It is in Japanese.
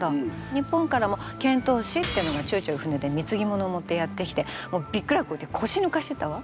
日本からも遣唐使ってのがちょいちょい船でみつぎ物を持ってやって来てびっくらこいて腰抜かしてたわ。